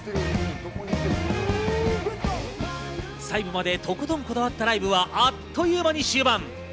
最後までとことんこだわったライブはあっという間に終盤。